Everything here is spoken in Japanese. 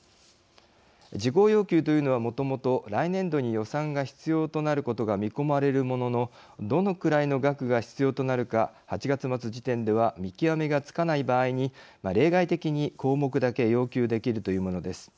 事項要求というのはもともと来年度に予算が必要となることが見込まれるもののどのくらいの額が必要となるか８月末時点では見極めがつかない場合に例外的に項目だけ要求できるというものです。